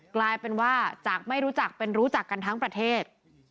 กลายเป็นว่าจากไม่รู้จักเป็นรู้จักกันทั้งประเทศ